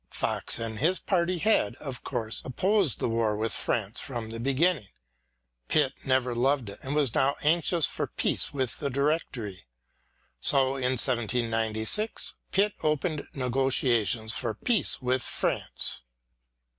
Fox and his party had, of course, opposed the war with France from the beginning ; Pitt never loved it and was now anxious for peace with the Directory. So in 1796 Pitt opened negotiations for peace with France.